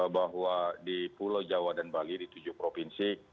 bahwa di pulau jawa dan bali di tujuh provinsi